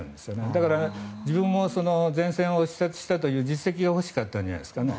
だから、自分も前線を視察したという実績が欲しかったんじゃないですかね。